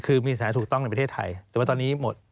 คือมีสถานถูกต้องในประเทศไทยแต่ว่าตอนนี้หมด